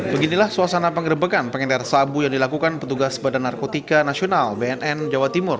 beginilah suasana penggerbekan pengedar sabu yang dilakukan petugas badan narkotika nasional bnn jawa timur